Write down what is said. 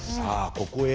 ここへ。